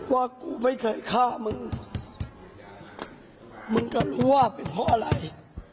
กูไม่เคยฆ่ามึงมึงก็รู้ว่าเป็นเพราะอะไร